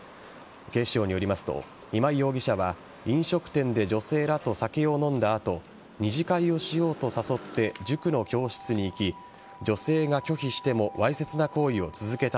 警視庁によりますと今井容疑者は飲食店で女性らと酒を飲んだ後二次会をしようと誘って塾の教室に行き女性が拒否してもわいせつな行為を続けた